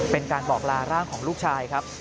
เป็นการบอกลาร่างของลูกชายครับ